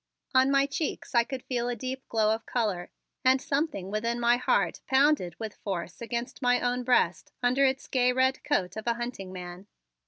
On my cheeks I could feel a deep glow of color, and something within my heart pounded with force against my own breast under its gay red coat of a hunting man.